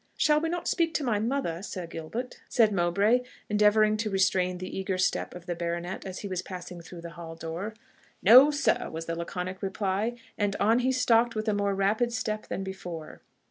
"Shall we not speak to my mother, Sir Gilbert?" said Mowbray, endeavouring to restrain the eager step of the Baronet as he was passing through the hall door. "No, sir," was the laconic reply; and on he stalked with a more rapid step than before.